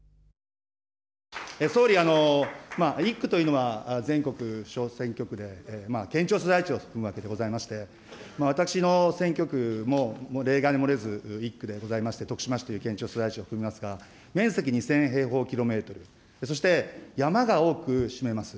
総理、１区というのは、全国小選挙区で県庁所在地を含むわけでございまして、私の選挙区も例外に漏れず、１区でございまして、徳島市という県庁所在地を含みますが、面積２０００平方キロメートル、そして山が多く占めます。